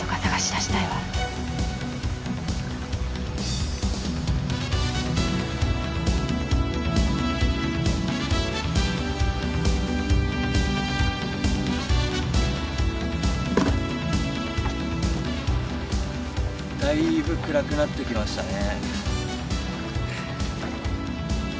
だいぶ暗くなってきましたね。